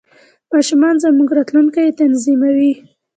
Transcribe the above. ماشومان زموږ راتلونکی تضمینوي.